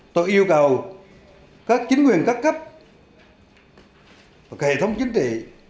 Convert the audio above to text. tôi yêu cầu các chính quyền các cấp và hệ thống chính trị